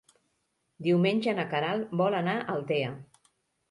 Diumenge na Queralt vol anar a Altea.